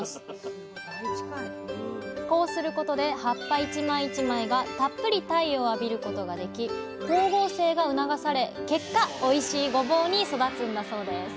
こうすることで葉っぱ１枚１枚がたっぷり太陽を浴びることができ光合成が促され結果おいしいごぼうに育つんだそうです